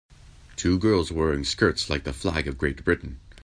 Two girls wearing skirts like the flag of Great Britain.